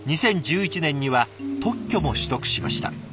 ２０１１年には特許も取得しました。